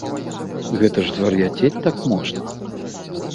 Гэта ж звар'яцець так можна!